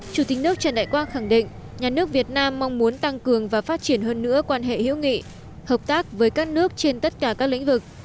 chủ tịch nước trần đại quang khẳng định nhà nước việt nam mong muốn tăng cường và phát triển hơn nữa quan hệ hữu nghị hợp tác với các nước trên tất cả các lĩnh vực